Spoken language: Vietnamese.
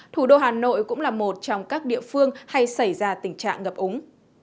thủ đô hà nội cũng là một trong các địa phương hay xảy ra tình trạng ngập úng